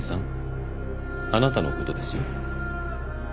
あなたのことですよ。